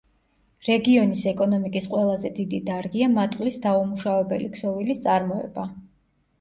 რეგიონის ეკონომიკის ყველაზე დიდი დარგია მატყლის დაუმუშავებელი ქსოვილის წარმოება.